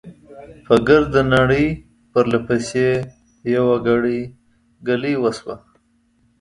په ګرده نړۍ، پرله پسې، يوه ګړۍ، ګلۍ وشوه .